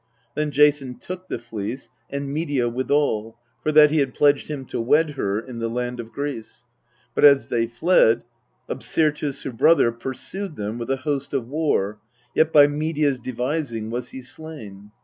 Then Jason took the Fleece, and Medea withal, for that he had pledged him to wed her in the land of Greece. But as they fled, Absyr tus her brother pursued them with a host of war, yet by Me dea's devising was he slain.